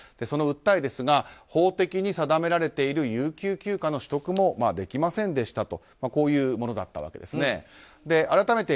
その訴えですが法的に定められている有給休暇の取得もできませんでしたとこういうものだったわけです。